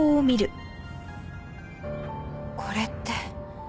これって。